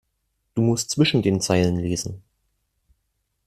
Du musst zwischen den Zeilen lesen.